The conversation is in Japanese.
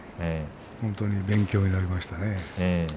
本当に勉強になりましたね。